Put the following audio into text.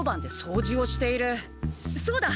そうだ！